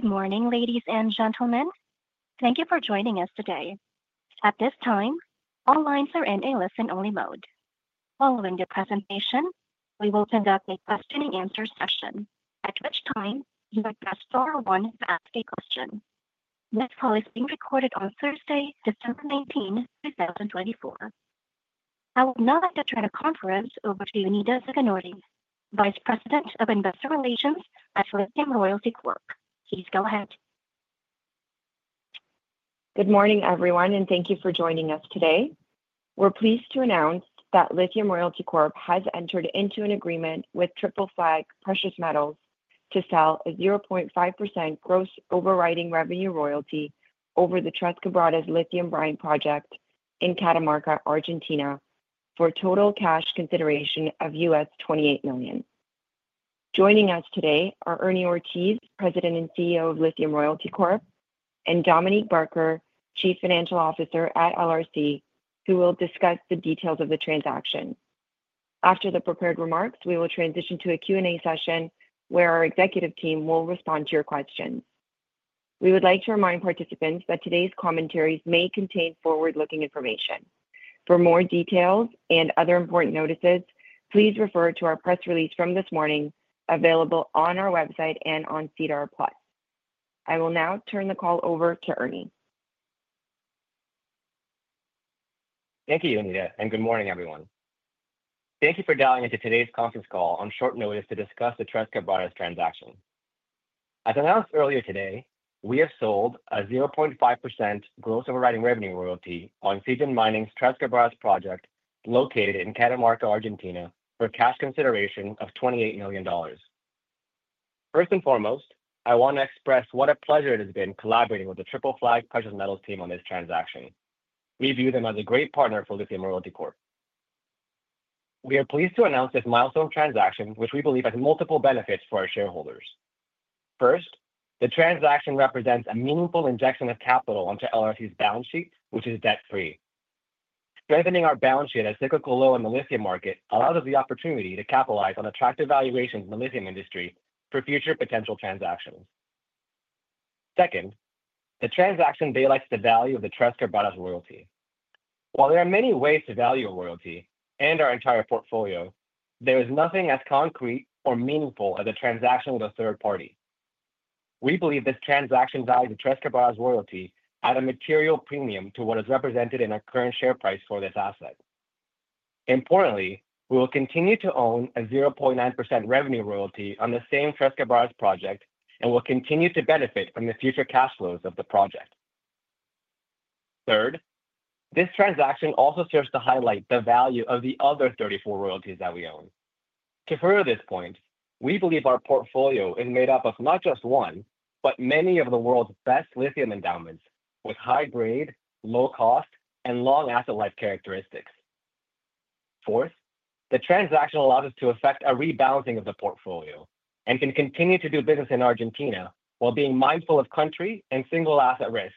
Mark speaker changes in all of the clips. Speaker 1: Good morning, ladies and gentlemen. Thank you for joining us today. At this time, all lines are in a listen-only mode. Following the presentation, we will conduct a question-and-answer session, at which time you'll be instructed to use one to ask a question. This call is being recorded on Thursday, December 19, 2024. I would now like to turn the conference over to Jonida Zaganjori, Vice President of Investor Relations at Lithium Royalty Corp. Please go ahead.
Speaker 2: Good morning, everyone, and thank you for joining us today. We're pleased to announce that Lithium Royalty Corp. has entered into an agreement with Triple Flag Precious Metals to sell a 0.5% gross overriding revenue royalty over the Tres Quebradas Lithium Brine project in Catamarca, Argentina, for total cash consideration of $28 million. Joining us today are Ernie Ortiz, President and CEO of Lithium Royalty Corp., and Dominique Barker, Chief Financial Officer at LRC, who will discuss the details of the transaction. After the prepared remarks, we will transition to a Q&A session where our executive team will respond to your questions. We would like to remind participants that today's commentaries may contain forward-looking information. For more details and other important notices, please refer to our press release from this morning available on our website and on SEDAR+. I will now turn the call over to Ernie.
Speaker 3: Thank you, Jonida, and good morning, everyone. Thank you for dialing into today's conference call on short notice to discuss the Tres Quebradas transaction. As announced earlier today, we have sold a 0.5% gross overriding revenue royalty on Zijin Mining's Tres Quebradas project located in Catamarca, Argentina, for cash consideration of $28 million. First and foremost, I want to express what a pleasure it has been collaborating with the Triple Flag Precious Metals team on this transaction. We view them as a great partner for Lithium Royalty Corp. We are pleased to announce this milestone transaction, which we believe has multiple benefits for our shareholders. First, the transaction represents a meaningful injection of capital onto LRC's balance sheet, which is debt-free. Strengthening our balance sheet at a cyclical low in the lithium market allows us the opportunity to capitalize on attractive valuations in the lithium industry for future potential transactions. Second, the transaction values the value of the Tres Quebradas royalty. While there are many ways to value a royalty and our entire portfolio, there is nothing as concrete or meaningful as a transaction with a third party. We believe this transaction values the Tres Quebradas royalty at a material premium to what is represented in our current share price for this asset. Importantly, we will continue to own a 0.9% revenue royalty on the same Tres Quebradas project and will continue to benefit from the future cash flows of the project. Third, this transaction also serves to highlight the value of the other 34 royalties that we own. To further this point, we believe our portfolio is made up of not just one, but many of the world's best lithium endowments, with high grade, low cost, and long asset life characteristics. Fourth, the transaction allows us to effect a rebalancing of the portfolio and can continue to do business in Argentina while being mindful of country and single asset risk,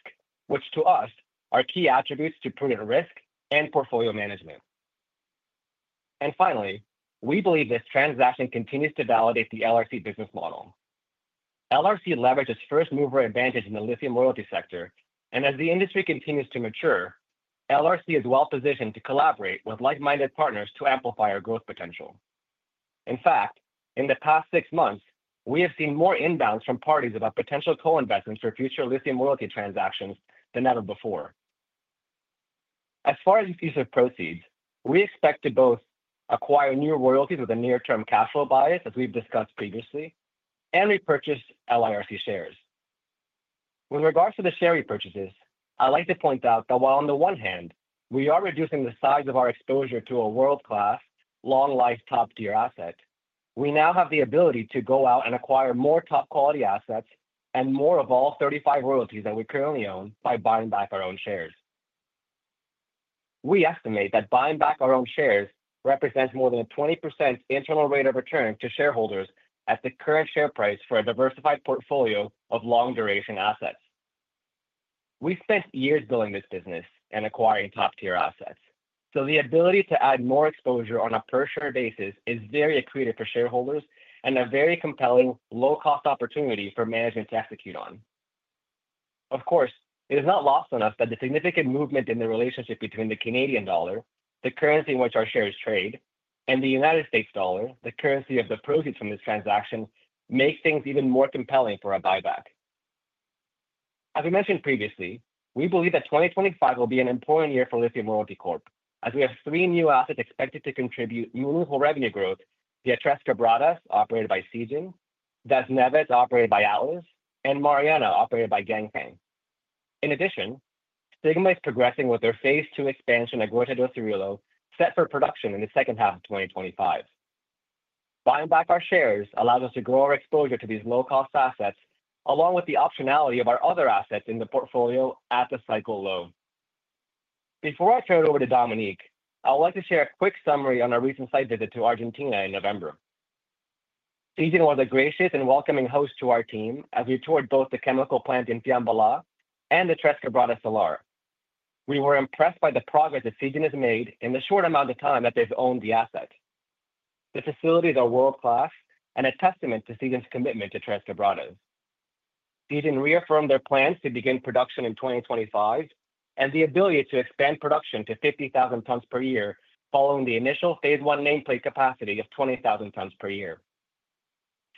Speaker 3: which to us are key attributes to prudent risk and portfolio management. And finally, we believe this transaction continues to validate the LRC business model. LRC leverages first mover advantage in the lithium royalty sector, and as the industry continues to mature, LRC is well positioned to collaborate with like-minded partners to amplify our growth potential. In fact, in the past six months, we have seen more inbounds from parties about potential co-investments for future lithium royalty transactions than ever before. As far as the use of proceeds, we expect to both acquire new royalties with a near-term cash flow bias, as we've discussed previously, and repurchase LRC shares. With regards to the share repurchases, I'd like to point out that while on the one hand, we are reducing the size of our exposure to a world-class, long-life, top-tier asset, we now have the ability to go out and acquire more top-quality assets and more of all 35 royalties that we currently own by buying back our own shares. We estimate that buying back our own shares represents more than a 20% internal rate of return to shareholders at the current share price for a diversified portfolio of long-duration assets. We've spent years building this business and acquiring top-tier assets, so the ability to add more exposure on a per-share basis is very accretive for shareholders and a very compelling low-cost opportunity for management to execute on. Of course, it is not lost on us that the significant movement in the relationship between the Canadian dollar, the currency in which our shares trade, and the United States dollar, the currency of the proceeds from this transaction, makes things even more compelling for a buyback. As we mentioned previously, we believe that 2025 will be an important year for Lithium Royalty Corp., as we have three new assets expected to contribute meaningful revenue growth via Tres Quebradas, operated by Zijin, Das Neves, operated by Atlas, and Mariana, operated by Ganfeng. In addition, Sigma is progressing with their Phase II expansion at Grota do Cirilo, set for production in the second half of 2025. Buying back our shares allows us to grow our exposure to these low-cost assets, along with the optionality of our other assets in the portfolio at the cycle low. Before I turn it over to Dominique, I would like to share a quick summary on our recent site visit to Argentina in November. Zijin was a gracious and welcoming host to our team as we toured both the chemical plant in Fiambalá and the Tres Quebradas Solar. We were impressed by the progress that Zijin has made in the short amount of time that they've owned the asset. The facilities are world-class and a testament to Zijin's commitment to Tres Quebradas. Zijin reaffirmed their plans to begin production in 2025 and the ability to expand production to 50,000 tons per year, following the initial Phase I nameplate capacity of 20,000 tons per year.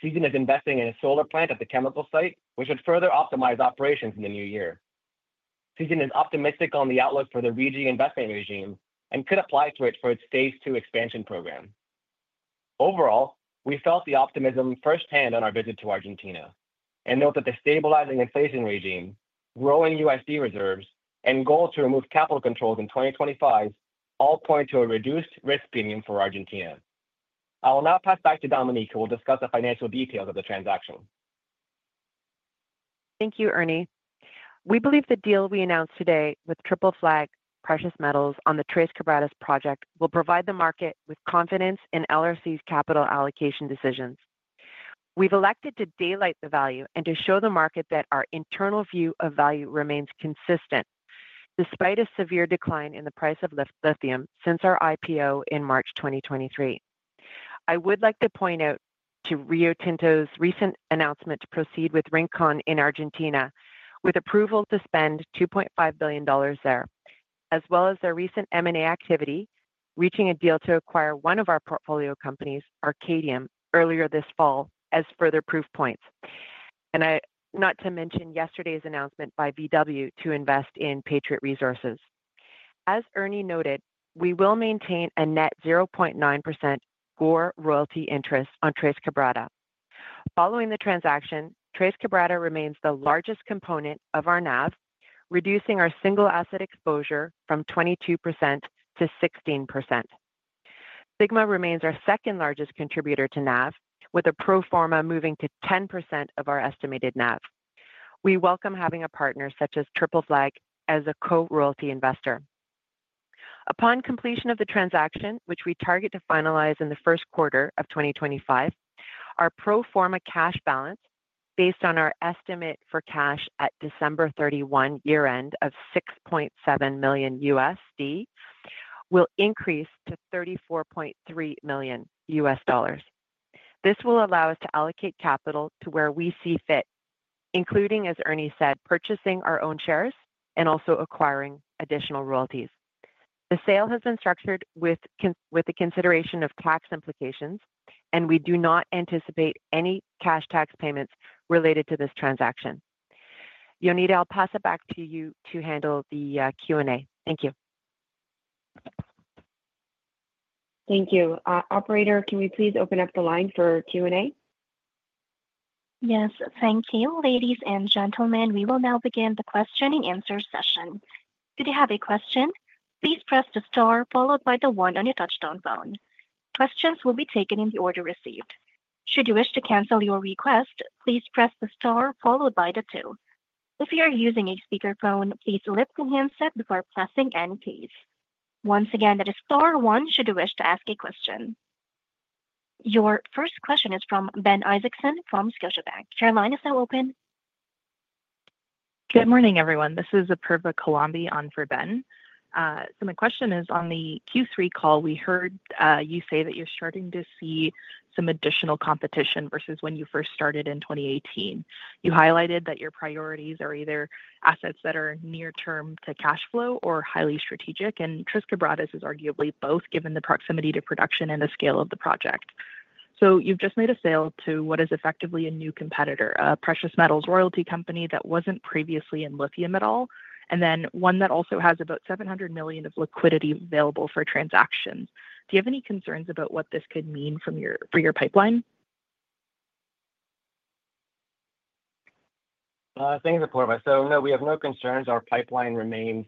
Speaker 3: Zijin is investing in a solar plant at the chemical site, which would further optimize operations in the new year. Zijin is optimistic on the outlook for the RIGI investment regime and could apply to it for its Phase II expansion program. Overall, we felt the optimism firsthand on our visit to Argentina and note that the stabilizing inflation regime, growing USD reserves, and goals to remove capital controls in 2025 all point to a reduced risk premium for Argentina. I will now pass back to Dominique, who will discuss the financial details of the transaction.
Speaker 4: Thank you, Ernie. We believe the deal we announced today with Triple Flag Precious Metals on the Tres Quebradas project will provide the market with confidence in LRC's capital allocation decisions. We've elected to daylight the value and to show the market that our internal view of value remains consistent despite a severe decline in the price of lithium since our IPO in March 2023. I would like to point out to Rio Tinto's recent announcement to proceed with Rincón in Argentina, with approval to spend $2.5 billion there, as well as their recent M&A activity, reaching a deal to acquire one of our portfolio companies, Arcadium, earlier this fall as further proof points, and not to mention yesterday's announcement by VW to invest in Patriot Resources. As Ernie noted, we will maintain a net 0.9% core royalty interest on Tres Quebradas. Following the transaction, Tres Quebradas remains the largest component of our NAV, reducing our single asset exposure from 22% to 16. Sigma remains our second-largest contributor to NAV, with a pro forma moving to 10% of our estimated NAV. We welcome having a partner such as Triple Flag as a co-royalty investor. Upon completion of the transaction, which we target to finalize in the first quarter of 2025, our pro forma cash balance, based on our estimate for cash at December 31 year-end of $6.7 million USD, will increase to $34.3 million USD. This will allow us to allocate capital to where we see fit, including, as Ernie said, purchasing our own shares and also acquiring additional royalties. The sale has been structured with the consideration of tax implications, and we do not anticipate any cash tax payments related to this transaction. Jonida, I'll pass it back to you to handle the Q&A. Thank you.
Speaker 2: Thank you. Operator, can we please open up the line for Q&A?
Speaker 1: Yes, thank you. Ladies and gentlemen, we will now begin the question-and-answer session. If you have a question, please press the star followed by the one on your touch-tone phone. Questions will be taken in the order received. Should you wish to cancel your request, please press the star followed by the two. If you are using a speakerphone, please lift the handset before pressing any keys. Once again, that is star one should you wish to ask a question. Your first question is from Ben Isaacson from Scotiabank. Your line is now open.
Speaker 5: Good morning, everyone. This is Apurva Kulambi on for Ben. So my question is, on the Q3 call, we heard you say that you're starting to see some additional competition versus when you first started in 2018. You highlighted that your priorities are either assets that are near-term to cash flow or highly strategic, and Tres Quebradas is arguably both, given the proximity to production and the scale of the project. So you've just made a sale to what is effectively a new competitor, a precious metals royalty company that wasn't previously in lithium at all, and then one that also has about $700 million of liquidity available for transactions. Do you have any concerns about what this could mean for your pipeline?
Speaker 3: Thanks, Apurva. So no, we have no concerns. Our pipeline remains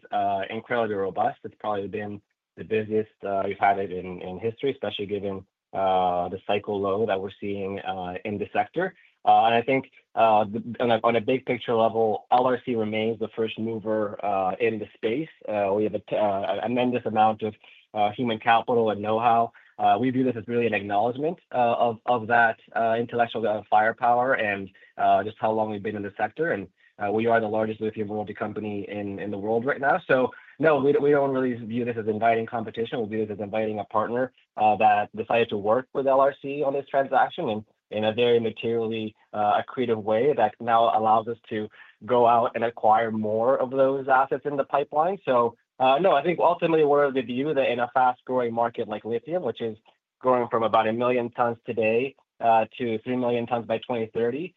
Speaker 3: incredibly robust. It's probably been the busiest we've had it in history, especially given the cycle low that we're seeing in the sector, and I think on a big-picture level, LRC remains the first mover in the space. We have an immense amount of human capital and know-how. We view this as really an acknowledgment of that intellectual firepower and just how long we've been in the sector, and we are the largest lithium royalty company in the world right now. So no, we don't really view this as inviting competition. We view this as inviting a partner that decided to work with LRC on this transaction in a very materially accretive way that now allows us to go out and acquire more of those assets in the pipeline. So no, I think ultimately we're of the view that in a fast-growing market like lithium, which is growing from about a million tons today to 3 million tons by 2030,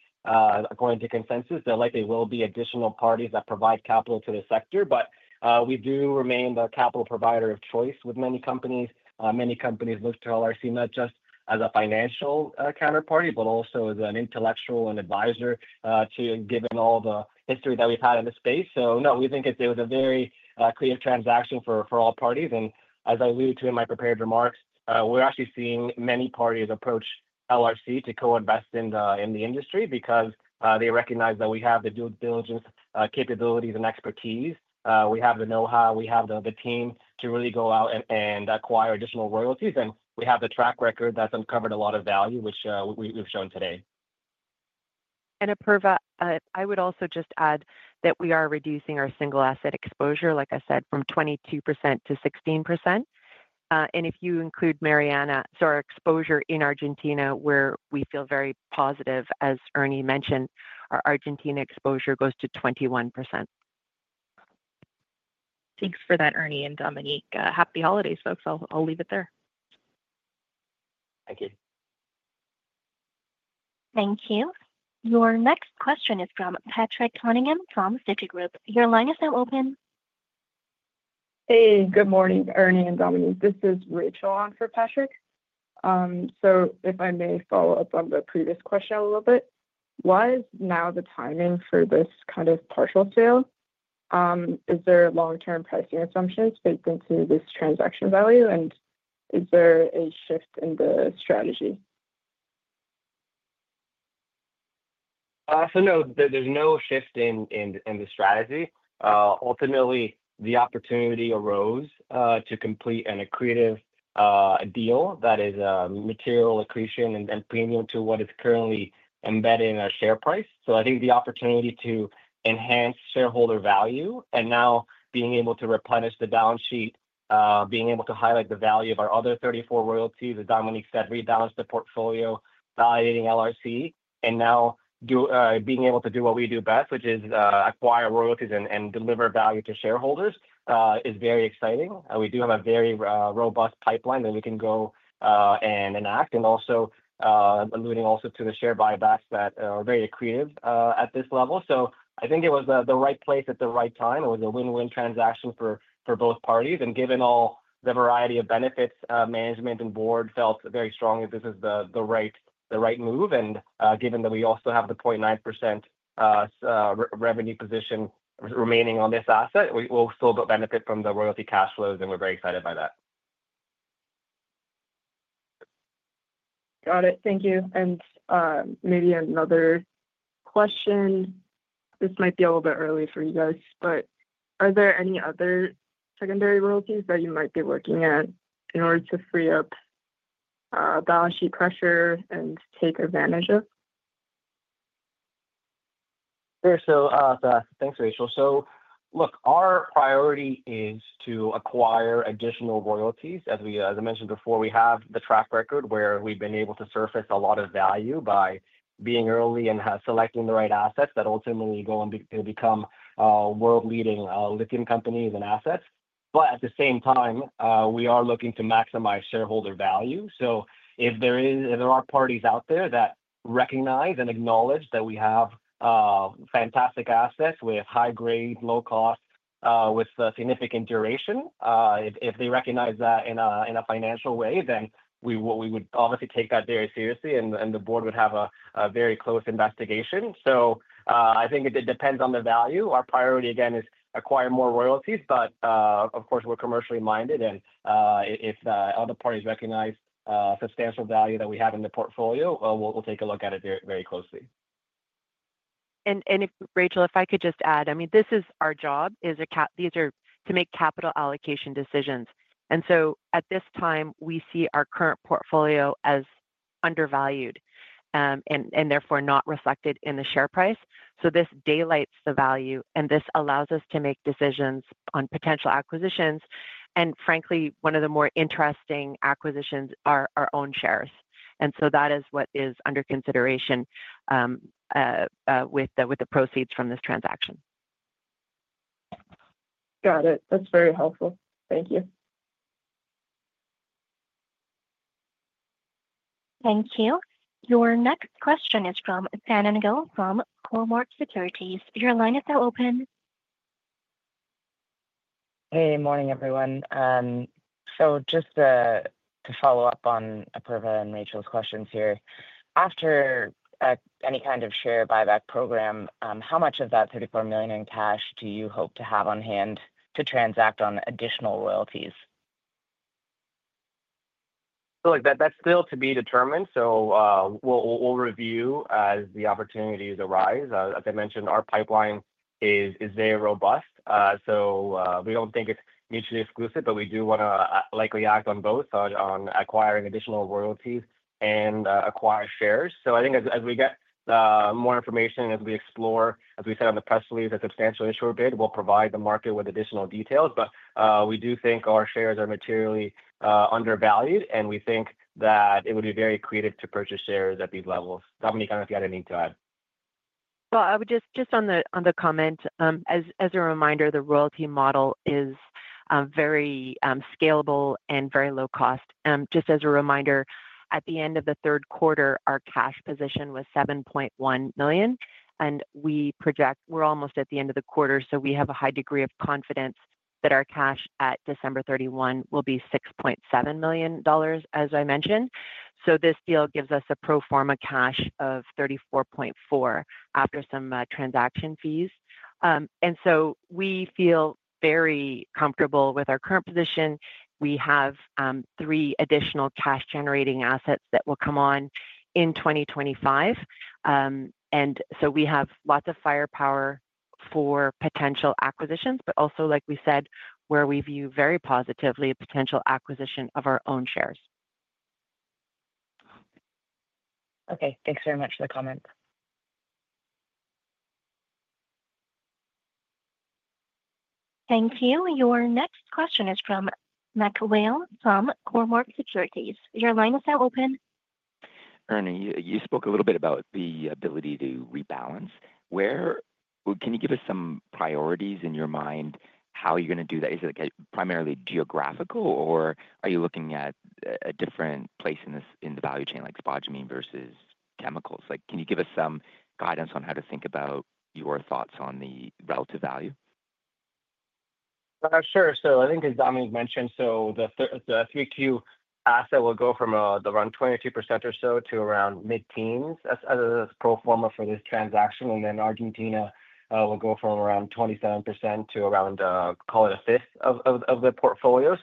Speaker 3: according to consensus, there likely will be additional parties that provide capital to the sector. But we do remain the capital provider of choice with many companies. Many companies look to LRC not just as a financial counterparty, but also as an intellectual and advisor given all the history that we've had in the space. So no, we think it was a very accretive transaction for all parties. And as I alluded to in my prepared remarks, we're actually seeing many parties approach LRC to co-invest in the industry because they recognize that we have the due diligence, capabilities, and expertise. We have the know-how. We have the team to really go out and acquire additional royalties. We have the track record that's uncovered a lot of value, which we've shown today.
Speaker 4: And Apurva, I would also just add that we are reducing our single asset exposure, like I said, from 22% to 16. And if you include Mariana, so our exposure in Argentina, where we feel very positive, as Ernie mentioned, our Argentina exposure goes to 21%.
Speaker 5: Thanks for that, Ernie and Dominique. Happy holidays, folks. I'll leave it there.
Speaker 3: Thank you.
Speaker 1: Thank you. Your next question is from Patrick Cunningham from Citigroup. Your line is now open.
Speaker 5: Hey, good morning, Ernie and Dominique. This is Rachel on for Patrick. So if I may follow up on the previous question a little bit, why is now the timing for this kind of partial sale? Is there long-term pricing assumptions baked into this transaction value, and is there a shift in the strategy?
Speaker 3: So no, there's no shift in the strategy. Ultimately, the opportunity arose to complete an accretive deal that is material accretion and then premium to what is currently embedded in our share price. So I think the opportunity to enhance shareholder value and now being able to replenish the balance sheet, being able to highlight the value of our other 34 royalties, as Dominique said, rebalance the portfolio, validating LRC, and now being able to do what we do best, which is acquire royalties and deliver value to shareholders, is very exciting. We do have a very robust pipeline that we can go and enact, and also alluding to the share buybacks that are very accretive at this level. So I think it was the right place at the right time. It was a win-win transaction for both parties. Given all the variety of benefits, management and board felt very strongly this is the right move. Given that we also have the 0.9% revenue position remaining on this asset, we'll still benefit from the royalty cash flows, and we're very excited by that.
Speaker 5: Got it. Thank you. And maybe another question. This might be a little bit early for you guys, but are there any other secondary royalties that you might be looking at in order to free up balance sheet pressure and take advantage of?
Speaker 3: Sure. So thanks, Rachel. So look, our priority is to acquire additional royalties. As I mentioned before, we have the track record where we've been able to surface a lot of value by being early and selecting the right assets that ultimately go and become world-leading lithium companies and assets. But at the same time, we are looking to maximize shareholder value. So if there are parties out there that recognize and acknowledge that we have fantastic assets with high-grade, low-cost, with significant duration, if they recognize that in a financial way, then we would obviously take that very seriously, and the board would have a very close investigation. So I think it depends on the value. Our priority, again, is to acquire more royalties, but of course, we're commercially minded. If other parties recognize substantial value that we have in the portfolio, we'll take a look at it very closely.
Speaker 4: And Rachel, if I could just add, I mean, this is our job. These are to make capital allocation decisions. And so at this time, we see our current portfolio as undervalued and therefore not reflected in the share price. So this daylights the value, and this allows us to make decisions on potential acquisitions. And frankly, one of the more interesting acquisitions are our own shares. And so that is what is under consideration with the proceeds from this transaction.
Speaker 5: Got it. That's very helpful. Thank you.
Speaker 1: Thank you. Your next question is from San Miguel from Cormark Securities. Your line is now open.
Speaker 6: Hey, morning, everyone. So just to follow up on Apurva and Rachel's questions here, after any kind of share buyback program, how much of that $34 million in cash do you hope to have on hand to transact on additional royalties?
Speaker 3: So that's still to be determined. So we'll review as the opportunities arise. As I mentioned, our pipeline is very robust. So we don't think it's mutually exclusive, but we do want to likely act on both, on acquiring additional royalties and acquire shares. So I think as we get more information, as we explore, as we said on the press release, a Substantial Issuer Bid, we'll provide the market with additional details. But we do think our shares are materially undervalued, and we think that it would be very accretive to purchase shares at these levels. Dominique, I don't know if you had anything to add.
Speaker 4: Just on the comment, as a reminder, the royalty model is very scalable and very low cost. Just as a reminder, at the end of the third quarter, our cash position was $7.1 million. We project we're almost at the end of the quarter, so we have a high degree of confidence that our cash at December 31 will be $6.7 million, as I mentioned. This deal gives us a pro forma cash of $34.4 after some transaction fees. We feel very comfortable with our current position. We have three additional cash-generating assets that will come on in 2025. We have lots of firepower for potential acquisitions, but also, like we said, where we view very positively a potential acquisition of our own shares.
Speaker 6: Okay. Thanks very much for the comment.
Speaker 1: Thank you. Your next question is from Macwale from Cormor Securities. Your line is now open.
Speaker 5: Ernie, you spoke a little bit about the ability to rebalance. Can you give us some priorities in your mind how you're going to do that? Is it primarily geographical, or are you looking at a different place in the value chain, like spodumene versus chemicals? Can you give us some guidance on how to think about your thoughts on the relative value?
Speaker 2: Sure. I think, as Dominique mentioned, the 3Q asset will go from around 22% or so to around mid-teens as a pro forma for this transaction. Argentina will go from around 27% to around, call it a fifth of the portfolio.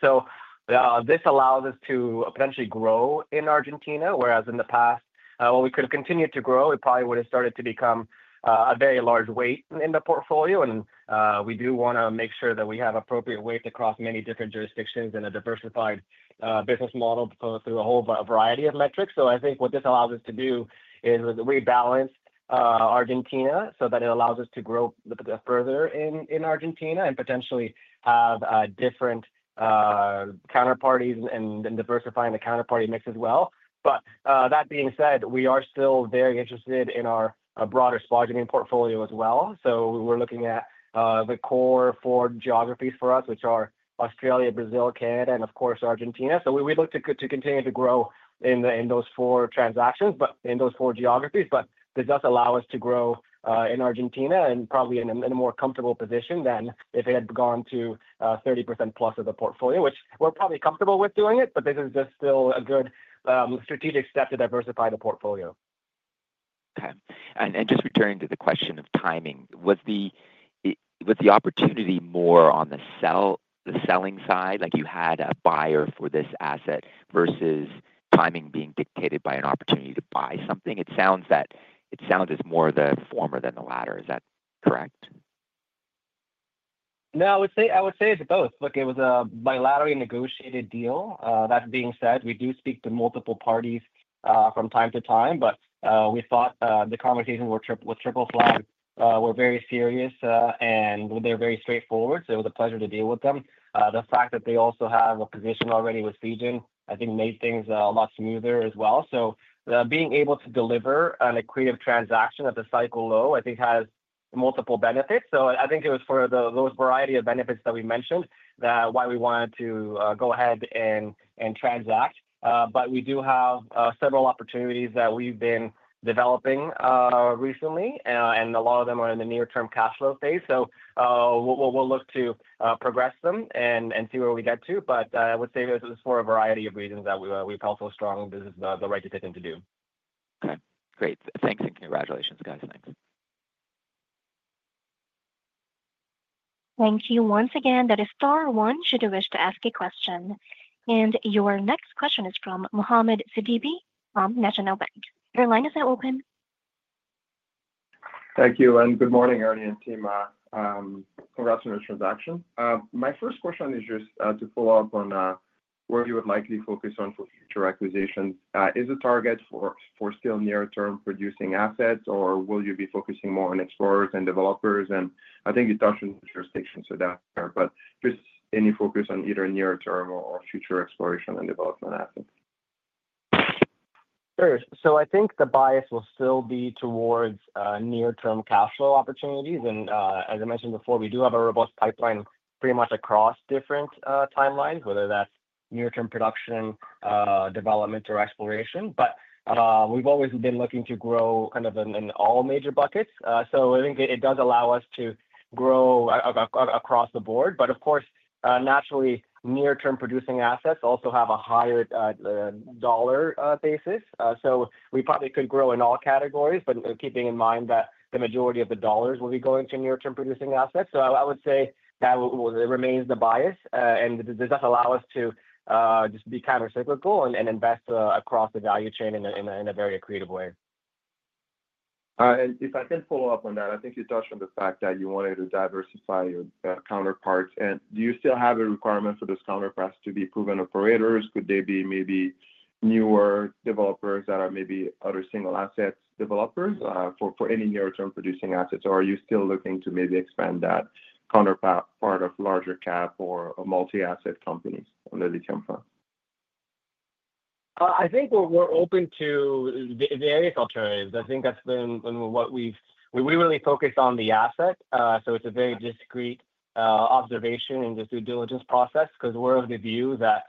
Speaker 2: This allows us to potentially grow in Argentina, whereas in the past, while we could have continued to grow, it probably would have started to become a very large weight in the portfolio. We do want to make sure that we have appropriate weight across many different jurisdictions and a diversified business model through a whole variety of metrics. I think what this allows us to do is rebalance Argentina so that it allows us to grow further in Argentina and potentially have different counterparties and diversifying the counterparty mix as well. But that being said, we are still very interested in our broader spodumene portfolio as well. So we're looking at the core four geographies for us, which are Australia, Brazil, Canada, and of course, Argentina. So we look to continue to grow in those four transactions, but in those four geographies. But this does allow us to grow in Argentina and probably in a more comfortable position than if it had gone to 30% plus of the portfolio, which we're probably comfortable with doing it, but this is just still a good strategic step to diversify the portfolio.
Speaker 5: Okay. And just returning to the question of timing, was the opportunity more on the selling side, like you had a buyer for this asset versus timing being dictated by an opportunity to buy something? It sounds as more the former than the latter. Is that correct?
Speaker 2: No, I would say it's both. Look, it was a bilaterally negotiated deal. That being said, we do speak to multiple parties from time to time, but we thought the conversations with Triple Flag were very serious, and they're very straightforward. So it was a pleasure to deal with them. The fact that they also have a position already with Zijin, I think, made things a lot smoother as well. So being able to deliver an accretive transaction at the cycle low, I think, has multiple benefits. So I think it was for those variety of benefits that we mentioned that why we wanted to go ahead and transact. But we do have several opportunities that we've been developing recently, and a lot of them are in the near-term cash flow phase. So we'll look to progress them and see where we get to. But I would say it was for a variety of reasons that we felt so strong this is the right decision to do.
Speaker 5: Okay. Great. Thanks. And congratulations, guys. Thanks.
Speaker 1: Thank you once again. To ask a question, press star one. Your next question is from Mohamed Siddiqui from National Bank. Your line is now open.
Speaker 7: Thank you and good morning, Ernie and team. Congrats on your transaction. My first question is just to follow up on where you would likely focus on for future acquisitions. Is the target still for near-term producing assets, or will you be focusing more on explorers and developers, and I think you touched on the jurisdiction, so there, but just any focus on either near-term or future exploration and development assets?
Speaker 2: Sure. So I think the bias will still be towards near-term cash flow opportunities. And as I mentioned before, we do have a robust pipeline pretty much across different timelines, whether that's near-term production, development, or exploration. But we've always been looking to grow kind of in all major buckets. So I think it does allow us to grow across the board. But of course, naturally, near-term producing assets also have a higher dollar basis. So we probably could grow in all categories, but keeping in mind that the majority of the dollars will be going to near-term producing assets. So I would say that remains the bias, and this does allow us to just be countercyclical and invest across the value chain in a very accretive way.
Speaker 7: If I can follow up on that, I think you touched on the fact that you wanted to diversify your counterparties. Do you still have a requirement for those counterparties to be proven operators? Could they be maybe newer developers that are maybe other single-asset developers for any near-term producing assets? Or are you still looking to maybe expand that counterparty of larger cap or multi-asset companies on the lithium front?
Speaker 2: I think we're open to various alternatives. I think that's been what we've really focused on the asset. So it's a very discreet observation and just due diligence process because we're of the view that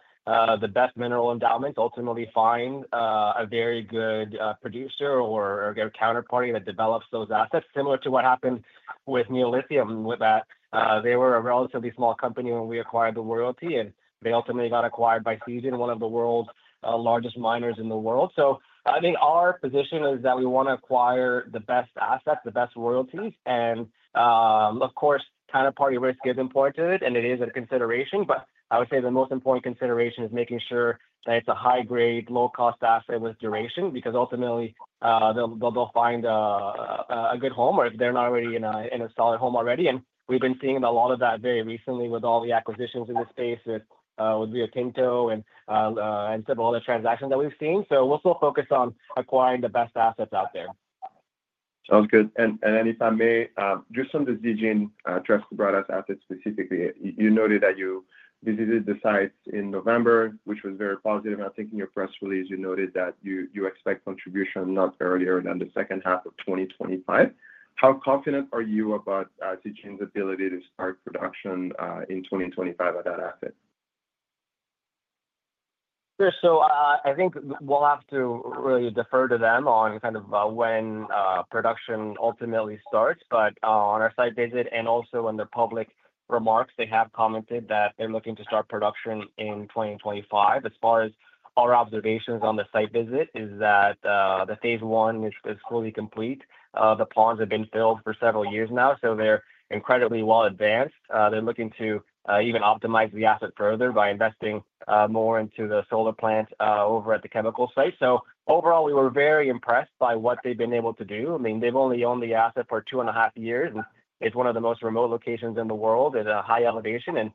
Speaker 2: the best mineral endowments ultimately find a very good producer or counterparty that develops those assets, similar to what happened with Neo Lithium, with that they were a relatively small company when we acquired the royalty, and they ultimately got acquired by Zijin, one of the world's largest miners in the world. So I think our position is that we want to acquire the best assets, the best royalties, and of course, counterparty risk is important to it, and it is a consideration. But I would say the most important consideration is making sure that it's a high-grade, low-cost asset with duration because ultimately, they'll find a good home or if they're not already in a solid home already. And we've been seeing a lot of that very recently with all the acquisitions in this space with Rio Tinto and several other transactions that we've seen. So we'll still focus on acquiring the best assets out there.
Speaker 7: Sounds good. And if I may, just on the Zijin Tres Quebradas assets specifically, you noted that you visited the sites in November, which was very positive. And I think in your press release, you noted that you expect contribution not earlier than the second half of 2025. How confident are you about Zijin's ability to start production in 2025 at that asset?
Speaker 2: Sure. So I think we'll have to really defer to them on kind of when production ultimately starts. But on our site visit and also in the public remarks, they have commented that they're looking to start production in 2025. As far as our observations on the site visit, is that the phase one is fully complete. The ponds have been filled for several years now, so they're incredibly well advanced. They're looking to even optimize the asset further by investing more into the solar plant over at the chemical site. So overall, we were very impressed by what they've been able to do. I mean, they've only owned the asset for two and a half years, and it's one of the most remote locations in the world at a high elevation. And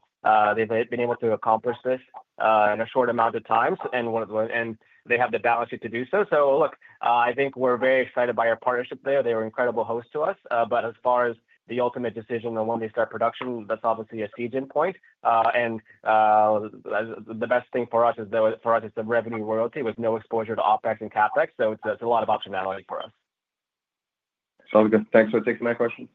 Speaker 2: they've been able to accomplish this in a short amount of time, and they have the balance sheet to do so. So look, I think we're very excited by our partnership there. They were an incredible host to us. But as far as the ultimate decision on when they start production, that's obviously a Zijin point. And the best thing for us is the revenue royalty with no exposure to OPEX and CAPEX. So it's a lot of optionality for us.
Speaker 7: Sounds good. Thanks for taking my question.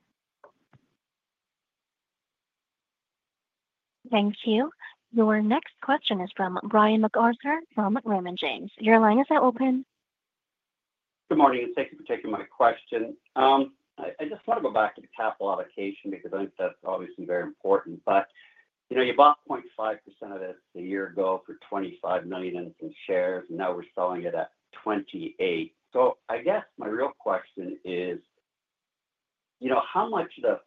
Speaker 1: Thank you. Your next question is from Brian MacArthur from Raymond James. Your line is now open.
Speaker 8: Good morning. Thanks for taking my question. I just want to go back to the capital allocation because I think that's obviously very important. But you bought 0.5% of this a year ago for $25 million in shares, and now we're selling it at $28. So I guess my real question is, how much of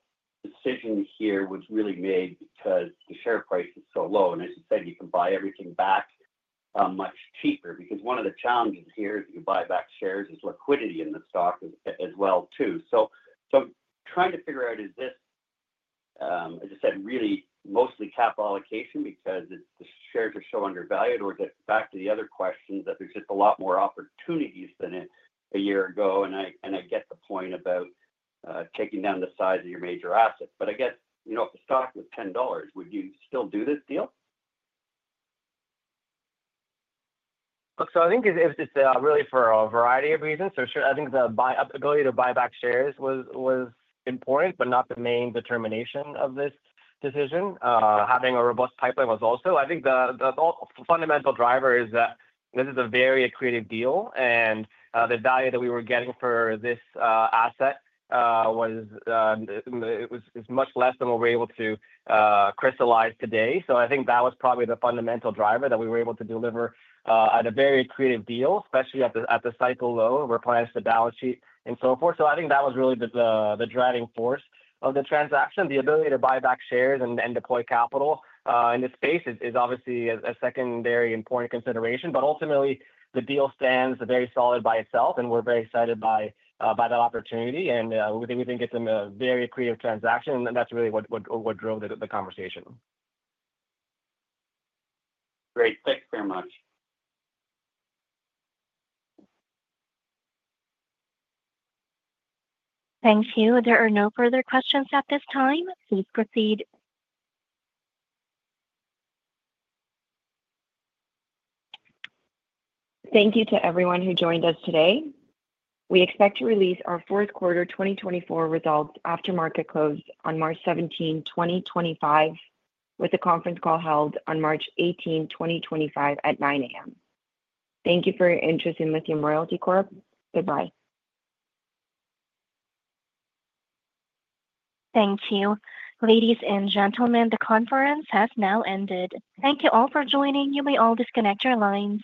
Speaker 8: the decision here was really made because the share price is so low? And as you said, you can buy everything back much cheaper because one of the challenges here is that you buy back shares as liquidity in the stock as well too. So I'm trying to figure out, is this, as I said, really mostly capital allocation because the shares are so undervalued? Or is it back to the other question that there's just a lot more opportunities than a year ago?
Speaker 2: And I get the point about taking down the size of your major assets. But I guess if the stock was $10, would you still do this deal? So I think it's really for a variety of reasons. So I think the ability to buy back shares was important, but not the main determination of this decision. Having a robust pipeline was also. I think the fundamental driver is that this is a very accretive deal, and the value that we were getting for this asset was much less than what we're able to crystallize today. So I think that was probably the fundamental driver that we were able to deliver at a very accretive deal, especially at the cycle low, replenishing the balance sheet and so forth. So I think that was really the driving force of the transaction. The ability to buy back shares and deploy capital in this space is obviously a secondary important consideration. But ultimately, the deal stands very solid by itself, and we're very excited by that opportunity. And we think it's a very accretive transaction, and that's really what drove the conversation.
Speaker 8: Great. Thanks very much.
Speaker 1: Thank you. There are no further questions at this time. Please proceed.
Speaker 4: Thank you to everyone who joined us today. We expect to release our fourth quarter 2024 results after market close on March 17, 2025, with the conference call held on March 18, 2025 at 9:00 A.M. Thank you for your interest in Lithium Royalty Corp. Goodbye.
Speaker 1: Thank you. Ladies and gentlemen, the conference has now ended. Thank you all for joining. You may all disconnect your lines.